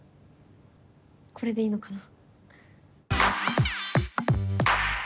これでいいのかな？